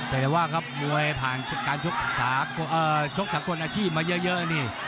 แต่ว่าครับมวยผ่านการชกสากลอาชีพมาเยอะนี่